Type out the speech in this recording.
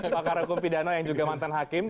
pakar hukum pidana yang juga mantan hakim